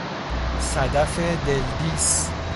صدف دلدیس